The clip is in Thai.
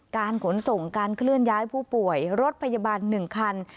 การขนส่งการเคลื่อนย้ายผู้ป่วยรถพยาบาล๑คัน